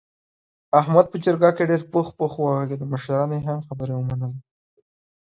احمد په جرګه کې ډېر پوخ پوخ و غږېدا مشرانو یې هم خبرې ومنلې.